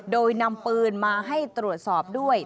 โดยนำปืนมาให้ตรวจสอบด้วย